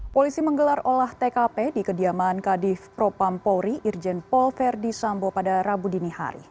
polisi menggelar olah tkp di kediaman kadif propampori irjen pol verdi sambo pada rabu dini hari